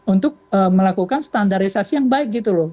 untuk melakukan standarisasi yang baik gitu loh